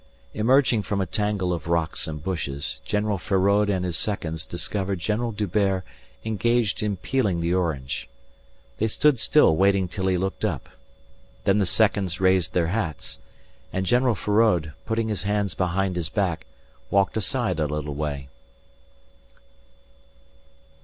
Emerging from a tangle of rocks and bushes, General Feraud and his seconds discovered General D'Hubert engaged in peeling the orange. They stood still waiting till he looked up. Then the seconds raised their hats, and General Feraud, putting his hands behind his back, walked aside a little way.